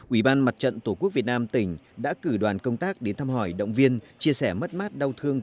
ubnd tqvn tỉnh đã cử đoàn công tác đến thăm hỏi động viên chia sẻ mất mát đau thương